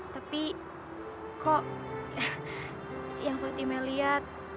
tapi kok yang fatime liat